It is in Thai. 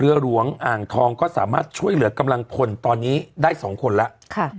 เรือหลวงอ่างทองก็สามารถช่วยเหลือกำลังพลตอนนี้ได้๒คนแล้ว